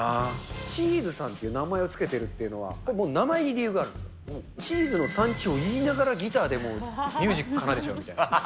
チーズさんという名前を付けてるというのは、名前に理由がある、チーズの産地を言いながらギターでもう、ミュージック奏でちゃうみたいな。